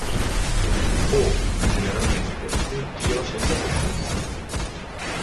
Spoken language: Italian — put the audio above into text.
O, più generalmente, un tiro "senza coscienza".